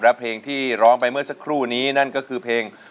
และเพลงที่ร้องไปเมื่อสักครู่นี้นั่นก็คือเพลง